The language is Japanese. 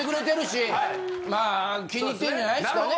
まあ気に入ってんじゃないですかね？